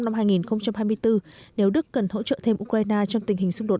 năm hai nghìn hai mươi bốn nếu đức cần hỗ trợ thêm ukraine trong tình hình xung đột